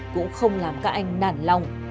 cũng không làm các anh nản lòng